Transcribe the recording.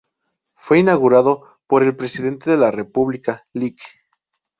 Fue inaugurado por el presidente de la república Lic.